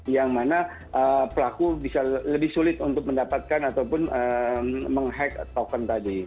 yang mana pelaku bisa lebih sulit untuk mendapatkan ataupun menghack token tadi